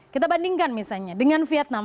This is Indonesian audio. kita bandingkan misalnya dengan vietnam